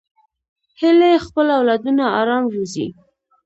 هیلۍ خپل اولادونه آرام روزي